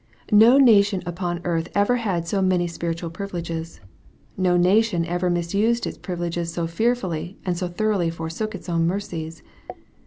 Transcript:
No nation upon earth ever had so many spiritual privileges. No nation ever mis used its privileges so fearfully, and so thoroughly forsook its own mercies.